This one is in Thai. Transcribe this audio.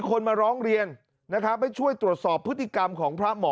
คนมาร้องเรียนนะครับให้ช่วยตรวจสอบพฤติกรรมของพระหมอ